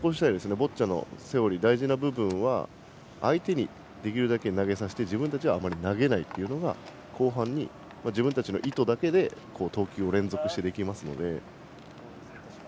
ボッチャのセオリー大事な部分は相手にできるだけ投げさせて自分たちはあまり投げないというのが後半に自分たちの意図だけで投球を連続してできるので。